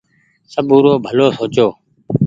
سبو سآرو ڀلو سوچو۔